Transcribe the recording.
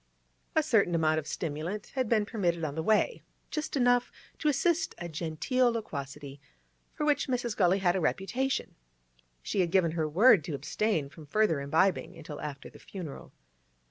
A certain amount of stimulant had been permitted on the way, just enough to assist a genteel loquacity, for which Mrs. Gully had a reputation. She had given her word to abstain from further imbibing until after the funeral.